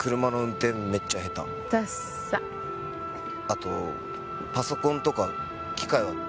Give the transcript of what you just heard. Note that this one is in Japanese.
あとパソコンとか機械は全然ダメ。